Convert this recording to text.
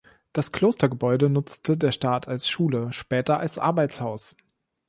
Die Klostergebäude nutzte der Staat als Schule, später als Arbeitshaus.